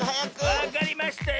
わかりましたよ。